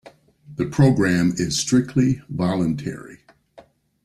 The program is strictly voluntary.